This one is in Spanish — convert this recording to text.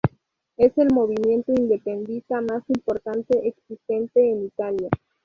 Es el movimiento independentista más importante existente en Italia.